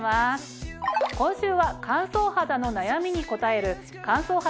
今週は乾燥肌の悩みに応える乾燥肌